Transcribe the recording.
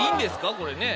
これねぇ。